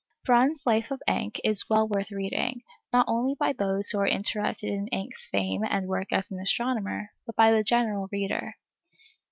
Bruhns' Life of Encke is well worth reading, not only by those who are interested in Encke's fame and work as an astronomer, but by the general reader.